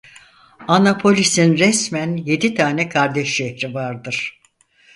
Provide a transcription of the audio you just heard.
Annapolis'in resmen yedi tane kardeş şehri vardır: